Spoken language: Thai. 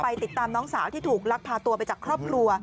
ติดตามน้องสาวที่ถูกลักพาตัวไปจากครอบครัว